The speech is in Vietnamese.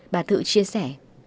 bà thự chia sẻ